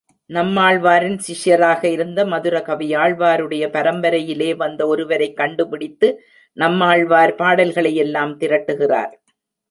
நம்மாழ்வாரின் சிஷ்யராக இருந்த மதுர கவியாழ்வாருடைய பரம்பரையிலே வந்த ஒருவரைக் கண்டுபிடித்து நம்மாழ்வார் பாடல்களையெல்லாம் திரட்டுகிறார்.